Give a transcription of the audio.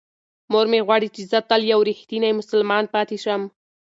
مور مې غواړي چې زه تل یو رښتینی مسلمان پاتې شم.